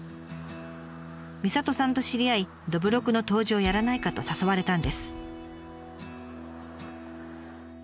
みさとさんと知り合いどぶろくの杜氏をやらないかと誘われたんです。